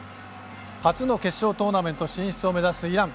初の決勝トーナメント進出を目指すイラン。